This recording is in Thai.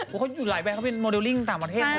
เขาอยู่หลายแรนเขาเป็นโมเดลลิ่งต่างประเทศนะ